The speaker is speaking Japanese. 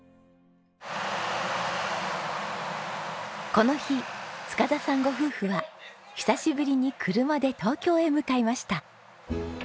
この日塚田さんご夫婦は久しぶりに車で東京へ向かいました。